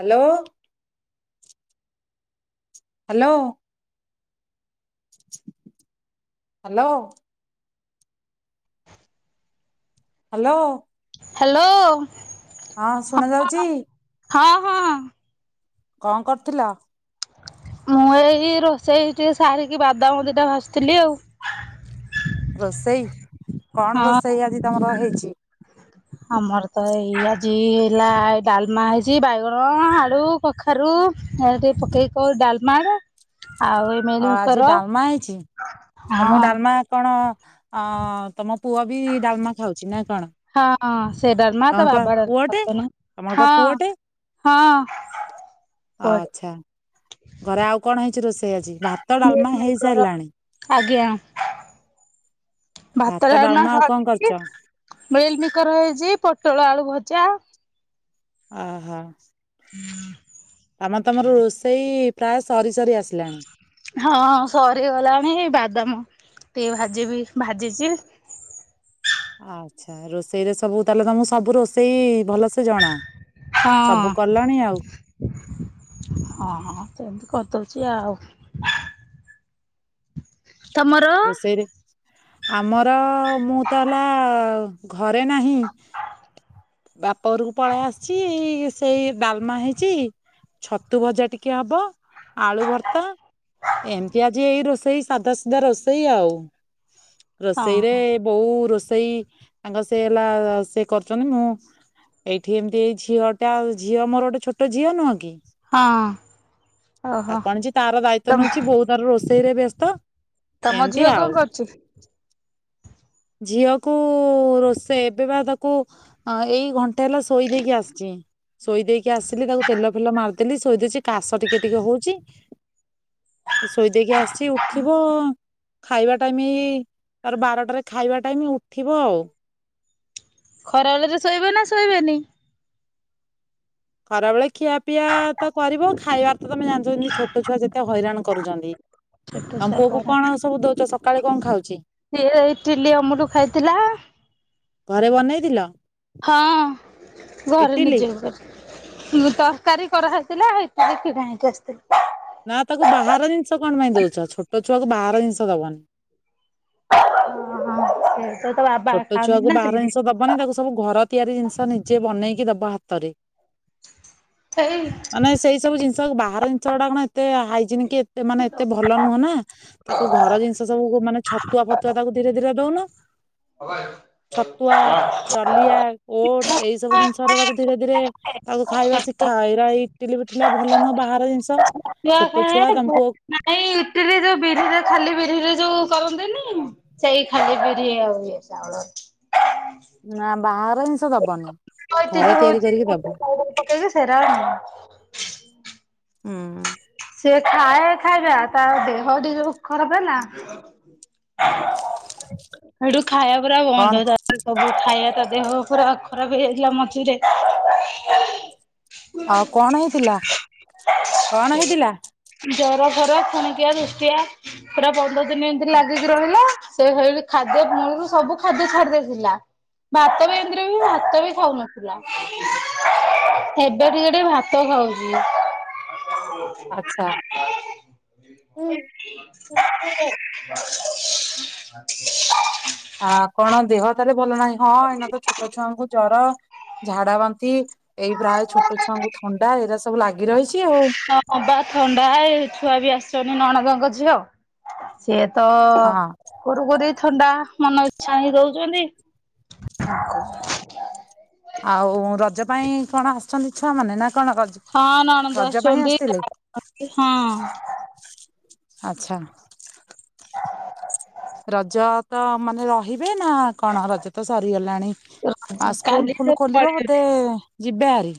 Hello. Hello. Hello. Hello. Hello. ହଁ ଶୁଣା ଯାଉଛି? ହଁ ହଁ। କଣ କରୁଥିଲ? ମୁଁ ଏଇ ରୋଷେଇ ଟିକେ ସାରିକି ବାଦାମ ଦି ଟା ଭାଜୁଥିଲି ଆଉ। ରୋଷେଇ, କଣ ହଁ ରୋଷେଇ ଆଜି ତମର ହେଇଛି? ଆମର ତ ଏଇ ଆଜି ହେଲା ଡାଲମା ହେଇଛି ବାଇଗଣ, ଆଳୁ କଖାରୁ ଆ ଟିକେ ପକେଇକି କରୁ ଡାଲମାର ଆଉ ଅ ଆଜି ମିଲମିକର ଡାଲମା ହେଇଛି ତମ ହଁ ଡାଲମା କଣ ଅ ତମ ପୁଅ ବି ଡାଲମା ଖାଉଛି ନା କଣ? ହଁ ସେ ଡାଲମା ତା ହଁ ପା ବାବା ଡାଲମା ପୁଅଟେ? ହବନି ତମର ପା ହଁ ପୁଅଟେ? ହଁ। କୁଆଡେ ଆଛା। ଘରେ ଆଉ କଣ ହେଇଚି ରୋଷେଇ ଆଜି? ଭାତ, ଡାଲମା ମିଲମିକର ହେଇସାରିଲାଣି। ଆଜ୍ଞା ଭାତ, ଡାଳମା ଆଉ କଣ କରିଚ? ମିଲମିକର ହେଇଚି ପୋଟଳ ଆଳୁ ଭଜା। ଓ ହୋ। ହୁଁ ତା ମାନେ ତମର ରୋଷେଇ ପ୍ରାୟ ସରି ସରି ଆସିଲାଣି? ହଁ ସରି ଗଲାଣି ବାଦାମ ଟିକେ ଭାଜିବି ଭାଜିଚି। ଆଚ୍ଛା ରୋଷେଇରେ ସବୁ ତାହେଲେ ତମୁକୁ ସବୁ ରୋଷେଇ ଭଲସେ ଜଣା। ସବୁ କଲଣି ଆଉ ହଁ। ହଁ ହଁ ସେମିତି କରିଦଉଚି ଆଉ। ତମର ରୋଷେଇରେ ଆମର ମୁଁ ତ ହେଲା ଘରେ ନାହିଁ। ବାପ ଘରୁକୁ ପଳେଇ ଆସିଚି ସେଇ ଡାଲମା ହେଇଚି ଛତୁ ଭଜା ଟିକେ ହବ ଆଳୁ ଭର୍ତ୍ତା। ଏମିତି ଆଜି ଏଇ ରୋଷେଇ ସାଧା ସିଧା ରୋଷେଇ ଆଉ ହଁ ରୋଷେଇରେ ବୋଉ ରୋଷେଇ ତାଙ୍କ ସେ ହେଲା ସେ କରୁଚନ୍ତି ମୁଁ ଏଇଠି ଏମିତି ଏଇ ଝିଅ ଟା ଝିଅ ମୋର ଗୋଟେ ଛୋଟ ଝିଅ ନୁହଁ କି? ହଁ ଓହୋ ତାକୁ ଆଣୁଚି ତାର ଦାୟିତ୍ଵ ତମ ନଉଚି ବୋଉ ତାର ରୋଷେଇରେ ବ୍ୟସ୍ତ। ତମ ଏମିତି ଝିଅ କଣ ଆଉ। କରୁଛି? ଝିଅକୁ ରୋଷେଇ ଏବେ ପା ତାକୁ ହଁ ଏଇ ଘଣ୍ଟେ ହେଲା ଶୋଇ ଦେଇେକି ଆସିଚି। ଶୋଇ ଦେଇକି ଆସିଲି ତାକୁ ତେଲ ଫେଲ ମାରିଦେଲି ଶୋଇଦେଇଚି କାଶ ଟିକେ ଟିକେ ହଉଚି। ଶୋଇଦେଇକି ଆସିଚି ଉଠିବ ଖାଇବା ଟାଇମି ତାର ବାରଟାରେ ଖାଇବା ଟାଇମି ଉଠିବ ଆଉ। ଖରାବେଳରେ ଶୋଇବ ନା ଶୋଇବେନି? ଖରାବେଳେ ଖିଆ ପିଆ ତ କରିବ ଖାଇବାର ତ ତମେ ଜାଣିଚ ଛୋଟ ଛୁଆ ଯେତେ ହଇରାଣ କରୁଚନ୍ତି। ଛୋଟ ତମ ଛୁଆ ପୁଅ କୁ କଣ ସବୁ ଦୋଉଚ ସକାଳେ କଣ ଖାଉଚି? ସିଏ ଇଟିଲି ଅମୁଲୁ ଖାଇଥିଲା। ଘରେ ବନେଇଥିଲ? ହଁ ଘରେ ଇଟିଲି? ନିଜେ [unintelligible] ହୁଁ ତରକାରୀ କରାହେଇଥିଲା ଆଉ ଇଟିଲି କିଣା ହେଇକି ଆସିଥିଲା। ନା ତାକୁ ବାହାର ଜିନିଷ କଣ ପାଇଁ ଦଉଚ ଛୋଟ ଛୁଆକୁ ବାହାର ଜିନିଷ ଦବନି। ଓ [inaudible] ଛୋଟ ଛୁଆ କୁ ବାହାର ଜିନିଷ ଦବନି ତାକୁ ସବୁ ଘର ତିଆରି ଜିନିଷ ନିଜେ ବନେଇକି ଦବ ହାତରେ। ହେଇ ଏଁ ସେଇ ସବୁ ଜିନିଷ ବାହାର ଜିନିଷ ଗୁଡା କଣ ଏତେ ହାଇଜିନିକ୍ କି ଏତେ ମାନେ ଏତେ ଭଲ ନୁହଁ ନା। ତାକୁ ଘର ଜିନିଷ ସବୁକୁ ମାନେ ଛତୁଆ ଫତୁଆ ତାକୁ ଧୀରେ ଧୀରେ ଦଉନ। [unintelligible] ଛତୁଆ, ଡଲିଆ, ଓଡସ୍ ଏଇ ସବୁ ଜିନିଷ ରା ତାକୁ ଧୀରେ ଧୀରେ ତାକୁ ଖାଇବା ଶିଖା ଏଇରା ଇଟିଲି ଫିଟିଲି ରା ଭଲ ନୁହଁ ବାହାର ଜିନିଷ। ଛତୁଆ ଛୋଟ ଛୁଆ ଖାଏ ତମ [unintelligible] ପୁଅ ନାଇଁ ଇଟିଲି ଯୋଉ ବିରିରେ ଖାଲି ବିରିରେ ଯୋଉ କରନ୍ତିନି। ସେଇ ଖାଲି ବିରି ଆଉ ଚାଉଳ। ନା ବାହାର ଜିନିଷ ଦବନି। ଆଉ ଘରେ ତିଆରି [unintelligible] କରିକି ଦବ। ଖାଇବାରେ ପକେଇଛ ସେରା ଆଣ। ଉଁ-ଉଁ-ଉଁ। ସେ ଖାଏ ଖାଇବା ତାର ଦେହ ଟିକେ ଖରାପ ହେଲା। ହେଇଠି ଖାଇବା ପୁରା କଣ ବନ୍ଦ ତାର। ସବୁ ଖାଇବା, ତା ଦେହ ପୁରା ଖରାପ ହେଇଯାଇଥିଲା ମଝିରେ‌। ଆଉ କଣ ହେଇଥିଲା, କଣ ହେଇଥିଲା? ଜରଫର ଫୁଣିକିଆ ଦୃଷ୍ଟିିଆ ପୁରା ପନ୍ଦର ଦିନ ଏମିତି ଲାଗିକି ରହିଲା। ସେଇଭଳି ଖାଦ୍ୟ ମୂଳୁରୁ ସବୁ ଖାଦ୍ୟ ଛାଡି ଦେଇଥିଲା, ଭାତ ବି ଏମିତିରେ ବି ଭାତ୍ ଭାତ ବି ଖାଉନଥିଲା, ଏବେ ଟିକେ ଟିକେ ଭାତ ଖାଉଚି। ଆଚ୍ଛା। ଆ [inaudible] ଆ କଣ ଦେହ ତାହେଲେ ଭଲ ନାହିଁ ହଁ ଏଇନା ତ ଛୋଟ ଛୁଆଙ୍କୁ ଜର। ଝାଡା ବାନ୍ତି ଏଇ ପ୍ରାୟ ଛୋଟ ଛୁଆଙ୍କୁ ଥଣ୍ଡା ଏରା ସବୁ ଲାଗି ରହିଛି ଆଉ। ହଁ ବା ଥଣ୍ଡା ଏ ଛୁଆ ବି ଆସିଛନ୍ତି ନଣନ୍ଦଙ୍କ ଝିଅ। ସେ ତ ହଁ ଗୋରୁ ଗରି ଥଣ୍ଡା ମନ ଇଚ୍ଛା ହେଇ ଦଉଛନ୍ତି। ଆଉ ରଜ ପାଇଁ କଣ ଆସିଛନ୍ତି ଛୁଆମାନେ ନା କଣ ରଜ, ହଁ ନଣନ୍ଦ ରଜ ପାଇଁ ଆସିଛନ୍ତି ଆସିଥିଲେ? ହଁ। ଆଚ୍ଛା। ରଜ ତ ମାନେ ରହିବେ ନା କଣ ରଜ ତ ସରିଗଲାଣି? ଆଉ ସ୍କୁଲ୍ କାଲି ତ ଫୁଲ୍ ଖୋଲିବ ପଳେଇବେ। ବୋଧେ ଯିବେ ହେରି?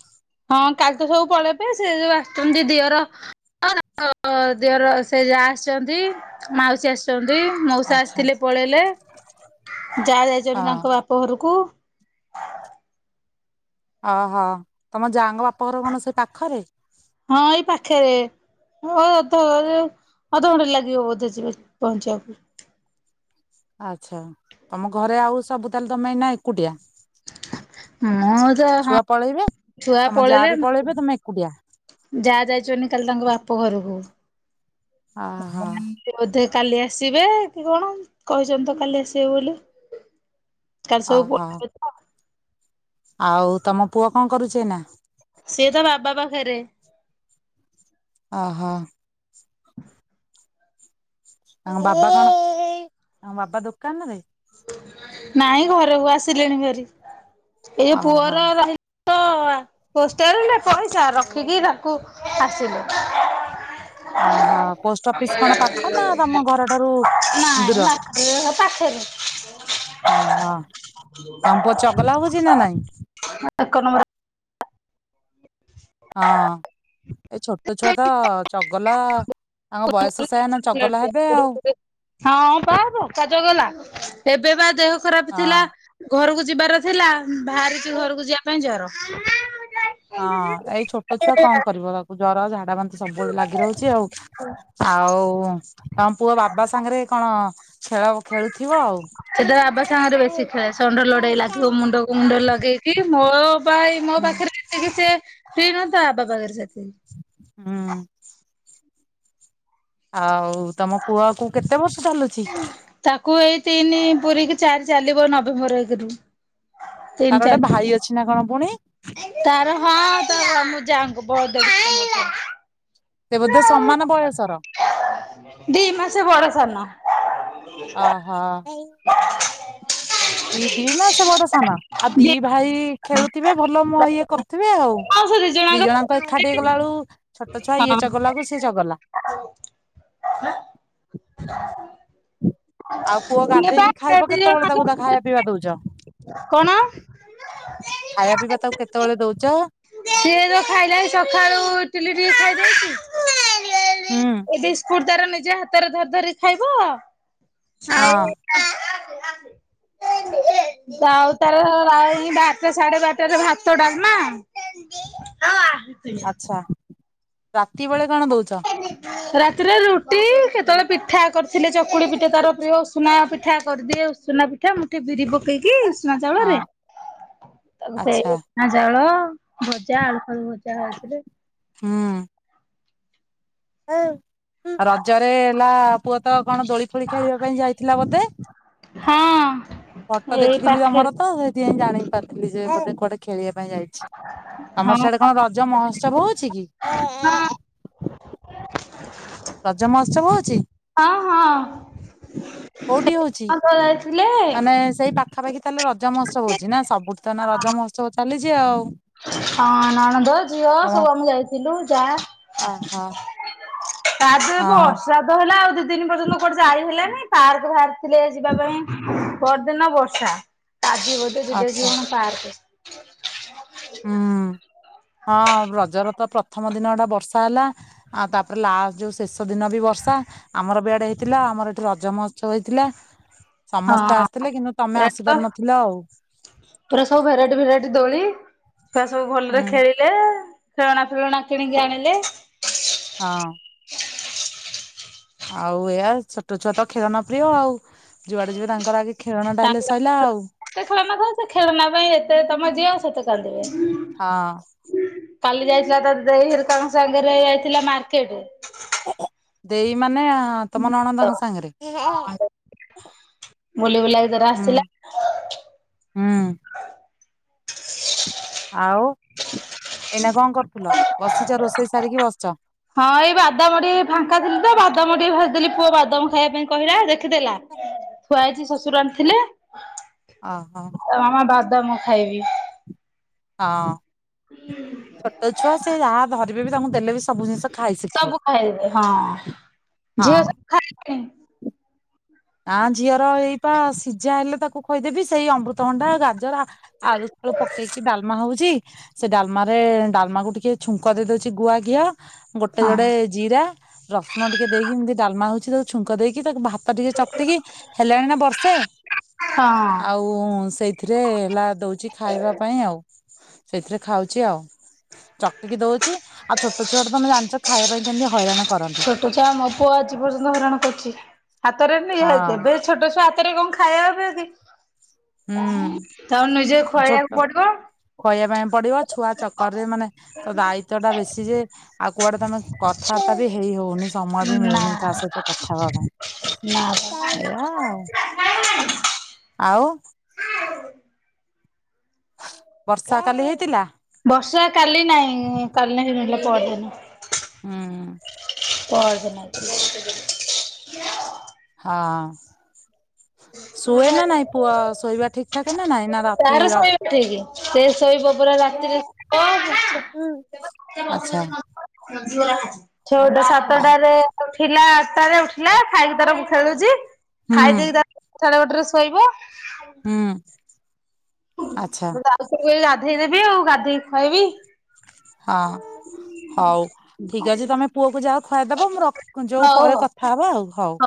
ହଁ କାଲି ତ ସବୁ ପଳେଇବେ ସେ ଯୋଉ ଆସୁଛନ୍ତି ଦିଅର। ହଁ-ହଁ, ଦିଅର ସେ ଯାଆ ଆସିଛନ୍ତି, ମାଉସୀ ଆସିଛନ୍ତି। ମଉସା ଆଚ୍ଛା ଆସିଥିଲେ ପଳେଇଲେ, ଯାଆ ଯାଇଛନ୍ତି ହଁ ତାଙ୍କ ବାପ ଘରକୁ। ଓହୋଃ, ତମ ଯାଆଙ୍କ ବାପ ଘର କଣ ସେଇ ପାଖରେ? ହଁ ଏଇ ପାଖରେ। ହଁ ଅଧ [inaudible] ଅଧଘଣ୍ଟେ ଲାଗିବ ବୋଧେ ଯିବେ ପହଞ୍ଚିବାକୁ। ଆଚ୍ଛା, ତମ ଘରେ ଆଉ ସବୁ ତାହେଲେ ତମେ ନା ଏକୁଟିଆ? ମୁଁ ତ ହଁ ଛୁଆ ପଳେଇବେ ଛୁଆ ତମ ଯା ପଳେଇଲେ ବି ପଳେଇବେ ତମେ ଏକୁଟିଆ ଯାହା ଯାଇଛନି କାଲି ତାଙ୍କ ବାପ ଘରକୁ। ଓହୋଃ। ବୋଧେ କାଲି ଆସିବେ କି କଣ କହିଛନ୍ତି ତ କାଲି ଆସିବେ ବୋଲି। କାଲି ସବୁ ପ ଅହୋ ଆଉ ତମ ପୁଅ କଣ କରୁଛି ଏଇନା? ସିଏ ତା ବାବା ପାଖରେ। ଓହୋଃ। ତାଙ୍କ ବାବା କଣ ତାଙ୍କ ବାବା ଦୋକାନରେ? ନାଇଁ ଘରକୁ ଆସିଲେଣି ହେରି ଏଇ ଓହୋ ପୁଅର ରହିଲ୍ ପୋଷ୍ଟାଲରେ ପଇସା ରଖିକି ତାକୁ ଆସିଲେ। ଓହୋଃ, ପୋଷ୍ଟ ଅଫିସ୍ କଣ ପାଖ ନା ତମ ଘରଠାରୁ ଦୂର? ନାଇଁ ପାଖରେ ଓହୋଃ, ତମ ପୁଅ ଚଗଲା ହଉଛି ନା ନାଇଁ? ଏକ ନମ୍ବର। ହଁ ଏ ଛୋଟ ଛୁଆ ତ ଚଗଲା ତାଙ୍କ ବୟସ ସେଇଆ ଏଇନା ଚଗଲା ହେବେ ଆଉ। ହଁ ବା ପକା ଚଗଲା, ଏବେ ବା ଦେହ ଖରାପ ହଁ ଥିଲା ଘରକୁ ଯିବାର ଥିଲା ବାହାରିଛି ଘରକୁ ଯିବା ପାଇଁ ଜର। ହଁ ଏଇ ଛୋଟ ଛୁଆ କଣ କରିବ ତାକୁ ଜର ଝା ଡ଼ା ବାନ୍ତି ସବୁବେଳେ ଲାଗି ରହୁଛି ଆଉ ଆଉ ତମ ପୁଅ ବାବା ସାଙ୍ଗରେ କଣ ଖେଳ ଖେଳୁ ସେ ତା ବାବା ସାଙ୍ଗରେ ବେଶୀ ଖେଳେ ଷଣ୍ଢ ଲଢେଇ ଲାଗିବ ମୁଣ୍ଡ ମୁଣ୍ଡ ଲଗେଇକି ମୋ ବାଇ ମୋ ପାଖରେ ସେତିକି ସେ ଫ୍ରି ନ ଥାଏ ତା ବାବା ପାଖରେ ସେତିକି। ହୁଁ। ଆଉ ତମ ପୁଅକୁ କେତେ ବର୍ଷ ଚାଲୁଛ? ତାକୁ ଏଇ ତିନି ପୁରିକି ଚାରି ଚାଲିବ ନଭେମ୍ବର ଏକେରୁ। ତାର ତିନ ଗୋଟେ ଚାର ଭାଇ ମାସ ଅଛି ନା କଣ ପୁଣି [unintelligible] ତାର ହଁ ତା [unintelligible] ମୋ ଯାଆଙ୍କୁ ବଡ ଦେଢଶୁରଙ୍କ ପୁଅ। ସେ ବୋଧେ ସମାନ ବୟସର? ଦି ମାସେ ବଡ ସାନ। ଅ ହ। ହ ଦି ଦି ମାସେ ବଡ ସାନ ଆଉ ଦି ଭାଇ ଖେଳୁଥିବେ ଭଲ ମ ଇଏ କରୁଥିବେ ଆଉ। ଦି ଜଣଙ୍କ ଏକାଠି ହେଇଗଲା ବେଳକୁ ଛୋଟ ଛୁଆ ଇଏ ଚଗଲାକୁ ସିଏ ଚଗଲା। ହ ନା ଆଉ ପୁଅ ଗାଧେଇକି ଖାଇବ ଦି ଜଣ କେତେବେଳେ ତାକୁ ତା ଖାଇବା ଯାକ ପିଇବା ଦଉଛ? କଣ? ଖାଇବା ପିଇବା ତାକୁ କେତେବେଳେ ଦଉଛ? ସିଏ ଯୋଉ ଖାଇଲା ସଖାଳୁ ଇଟିଲି ଟିକେ ଖାଇଦେଇଛି ହୁଁ ଏ ବିସ୍କୁଟ ତାର ନିଜେ ହାତେରେ ଧରି ଧରି ଖାଇବ ହଁ। ଆ ଆସ ବାଉ ତାର [unintelligible] ବାରଟା ସାଢେ ବାରଟାରେ ଭାତ, ଡାଲମା ଆଛା ରାତି ବେଳେ କଣ ଦଉଛ? ରାତିରେ ରୁଟି କେତେବେଳେ ପିଠା କରିଥିଲେ ଚକୁଳି ପିଠା ତାର ପ୍ରିୟ ଉସୁନା ପିଠା କରିଦିଏ ଉଷୁନା ପିଠା ମୁଠେ ବିରି ପକେଇକି ଉଷୁନା ଚାଉଳରେ ହଁ ତାକୁ ସେ ଆଚ୍ଛା ଷୁନା ଚାଉଳ ଭଜା ଆଳୁ ଫାଳୁ ଭଜା ହେଇଥିଲେ ହୁଁ। ରଜରେ ହେଲା ପୁଅ ତ କଣ ଦୋଳି ଫୋଳି ଖେଳିବା ପାଇଁ ଯାଇଥିଲା ବୋଧେ? ହଁ। ଫଟୋ ଏଇ ଦେଖିଥିଲି ପାଖରେ ତମର ତ ସେଇଥିପାଇଁ ଜାଣି ପାରିଥିଲି ଯେ ଗୋଟେ କୁଆଡେ ଖେଳିବା ପାଇଁ ଯାଇଛି। ତମର ହଁ ସିଆଡେ କଣ ରଜ ମହୋତ୍ସବ ହଉଛି କି? ହଁ। ରଜମହୋତ୍ସବ ହଉଛି? ହଁ ହଁ। କୋଉଠି ହଉଛି ନଣନ୍ଦ ଯାଇଥିଲେ ମାନେ ସେଇ ପାଖା ପାଖି ତାହେଲେ ରଜ ମହୋତ୍ସବ ହଉଛି ନା ସବୁଠୁ ତ ଏଇନା ରଜ ମହୋତ୍ସବ ଚାଲିଛି ଆଉ। ହଁ ନଣନ୍ଦ ଝିଅ ସବୁ ଆମୁ ଯାଇଥିଲୁ ଯା ଅ ହଁ। ତା ଦେହରେ ବର୍ଷା ତ ହେଲା ଆଉ ଦି ଦିନି ପର୍ଯ୍ୟନ୍ତ କୁଆଡେ ଯାଇ ହେଲାନି। ପାର୍କ ଫାର୍କ ଥିଲେ ଯିବା ପାଇଁ ପଅରଦିନ ବର୍ଷା। ଆଜି କଣ ଯିବେ କି ଆଚ୍ଛା ବୋଧେ ପାର୍କ। ହୁଁ। ହଁ ରଜର ତ ପ୍ରଥମ ଦିନ ଟା ବର୍ଷା ହେଲା। ଆଉ ତାପରେ ଲାଷ୍ଟ ଯୋଉ ଶେଷ ଦିନ ବି ବର୍ଷା। ଆମର ବି ଆଡେ ହେଇଥିଲା। ଆମର ଏଠି ରଜ ମହୋତ୍ସବ ହେଇଥିଲା। ସମସ୍ତେ ହଁ ଆସିଥିଲେ କିନ୍ତୁ ତମେ ଏ ତ ଆସିପାରିନଥିଲ ଆଉ। ପୁରା ସବୁ ଭେରାଇଟି ଭେରାଇଟି ଦୋଳି, ଛୁଆ ସବୁ ଭଲରେ ହଁ। ଖେଳିି ଲେ ଖେଳନା ଫେଳନା କିଣିକି ଆଣିଲେ। ହଁ। ଆଉ ଏଇଆ ଛୋଟ ଛୁଆ ତ ଖେଳନା ପ୍ରିୟ ଆଉ। ଯୁଆଡେ ଯିବେ ତାଙ୍କର ଆଗେ ଖେଳନା ଟା ହେଲେ ସଇଲା ଆଉ। ଯେତେ ଖେଳନା ଥାଉ ସେ ଖେଳନା ପାଇଁ ଏତେ ତମେ ଦିଅ ସେ ସେତେ କାନ୍ଦିବେ। ହଁ। କାଲି ଯାଇଥିଲା ତା ଦେଈ ହେରିକା ଙ୍କ ସାଙ୍ଗରେ ଯାଇଥିଲା ମାର୍କେଟେ ଦେଈ ମାନେ ତମ ନଣନ୍ଦଙ୍କ ସାଙ୍ଗରେ? ବୁଲି ବୁଲାକି ତାର ଆସିଲା। ହୁଁ। ଆଉ ଏଇନା କଣ କରୁଥିଲ? ବସିଚ ରୋଷେଇ ସାରିକି ବସିଚ। ହଁ ଏଇ ବାଦାମ ଟିକେ ଫାଙ୍କା ଥିଲି ତ ବାଦାମ ଟିକେ ଭାଜିଦେଲି, ପୁଅ ବାଦାମ ଖାଇବା ପାଇଁ କହିଲା ଦେଖିଦେଲା। ଥୁଆ ହେଇଚି ଶଶୁର ଆଣିଥିଲେ। ଅ ହ। ମାମା ବାଦାମ ଖାଇବି। ହଁ। ହୁଁ ଛୋଟ ଛୁଆ ସେ ଯାହା ଧରିବେ ବି ତାଙ୍କୁ ଦେଲେ ବି ସବୁ ଜିନିଷ ଖାଇ ଶିଖିବେ। ସବୁ ଖାଇଦେବେ ହଁ। ହଁ ଝିଅ ସବୁ। [unintelligible] ଆଁ ଝିଅର ଏଇ ପା ସିଝା ହେଲେ ତାକୁ ଖୋଇଦେବି। ସେଇ ଅମୃତଭଣ୍ଡା, ଗାଜର ଆଳୁ ଫାଳୁ ପକେଇକି ଡାଲମା ହଉଚି, ସେ ଡାଲମାରେ ଡାଲମାକୁ ଟି କେ ଛୁଙ୍କ ଦେଇ ଦଉଚି ଗୁଆ ଘିଅ ଗୋଟେ ହଁ ଜୋଡେ ଜିରା ରସୁଣ ଟିକେ ଦେଇକି ଏମିତି ଡାଲମା ହଉଚି, ତାକୁ ଛୁଙ୍କ ଦେଇକି ତାକୁ ଭାତ ଟି ଚକଟିକି ହେଲାଣି ନା ବର୍ଷେ, ହଁ ଆଉ ସେଇ ଥିରେ ହେଲା ଦଉଚି ଖାଇବା ପାଇଁ ଆଉ। ସେଇଥିରେ ଖାଉଚି ଆଉ। ଚକଟିକି ଦଉଚି ଆଉ ଛୋଟ ଛୁଆ ତ ତମେ ଜାଣିଚ ଖାଇବା ପାଇଁ କେମିତି ହଇରାଣ କରନ୍ତି। ଛୋଟ ଛୁଆ ମୋ ପୁଅ ଆଜି ପର୍ଯ୍ୟନ୍ତ ହଇରାଣ କରୁଚି। ହାତରେ ହଁ ନିହାତି ଏବେ ଛୋଟ ଛୁଆ ହାତରେ କଣ ଖାଇବା। [unintelligible] ହୁଁ ତାକୁ ନିଜେ ଖୁଆଇବାକୁ ପଡିବ। ଖୁଆଇବା ପାଇଁ ପଡିବ, ଛୁଆ ଚକରରେ ମାନେ ତ ଦାୟିତ୍ଵ ଟା ବେଶୀ ଯେ, ଆଉ କୁଆଡେ ତମେ କଥାବାର୍ତ୍ତା ବି ହେଇ ହଉନି ସମୟ ବି ନା ମିଳୁନି କାହା ସହିତ କଥା ହବା ନା ପାଇଁ। ଏଇଆ ଆଉ। ଆଉ ବର୍ଷା କାଲି ହେଇଥିଲା? ବର୍ଷା କାଲି ନାଇଁ, କାଲି ନାଇଁ ହେଇନଥିଲା ସେ ପଅରଦିନ। ଉଁ। ପଅରଦିନ ହେଇଥିଲା। ହଁ ଶୁଏେ ନା ନାଇଁ ପୁଅ ଶୋଇବା ଠିକ ଠାକ ନା ନାଇଁ। ନା ତାର ରାତିର ଶହି ଉଠେଇକି [unintelligible] ଶେ ଶୋଇବ ଇବ ପରା ରାତିରେ ଆଚ୍ଛା ଛଅଟା ଆଉ ସାତଟାରେ ଉଠିଲା ଆଠଟାରେ ଉଠିଲା ଖାଇକି ତାର ଖେଳୁଛି ହୁଁ ଖାଇଦେଇକି ତାର ସାଢେ ଗୋଟେରେ ଶୋଇବ। ହୁଁ ଆଚ୍ଛା। ମୁଁ ତ ଆଉଥରେ କହୁଚି ଗାଧେଇଦେବି ଆଉ ଗାଧେଇକି ଖୁଆଇବି। ହଁ ହଉ। ଠିକ୍ ଅଛି ତମେ ପୁଅକୁ ଯାହା ଖୁଆଇଦେବ ମୁଁ ର ଯଉ ହଉ ପରେ ହଉ। କଥା ହେବା ଆଉ ହଉ।